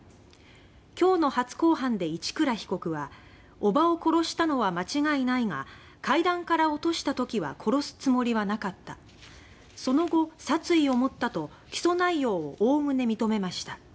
今日の初公判で一倉被告は「伯母を殺したのは間違いないが階段から落としたときは殺すつもりはなかったその後、殺意を持った」と起訴内容をおおむね認めました。